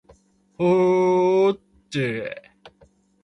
ほほほほほっ h